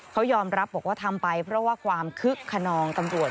เขายอมรับบอกว่าทำไปเพราะว่าความคึกขนองตำรวจ